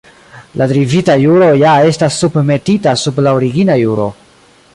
La derivita juro ja estas submetita sub la origina juro.